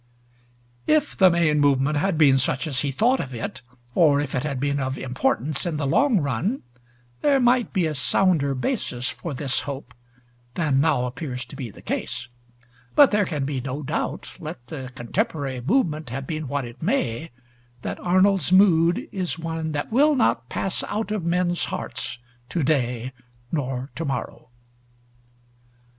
If the main movement had been such as he thought of it, or if it had been of importance in the long run, there might be a sounder basis for this hope than now appears to be the case; but there can be no doubt, let the contemporary movement have been what it may, that Arnold's mood is one that will not pass out of men's hearts to day nor to morrow.